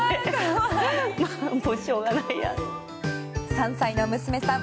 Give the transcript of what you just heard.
３歳の娘さん